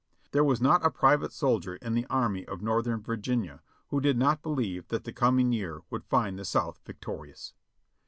There was not a private soldier in the Army of North ern Virginia who did not believe that the coming year would find the South victorious.